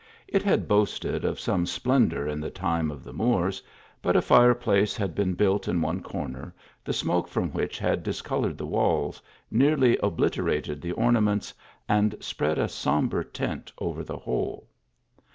Jt had boasted of some splendour in time of the Moors, but a fire place had been built in one corner, the smoke from which had discoloured the walls ; nearly obliterated the ornaments, and spread a som bre tint over the whole.